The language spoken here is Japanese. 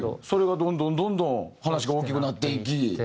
それがどんどんどんどん話が大きくなっていき。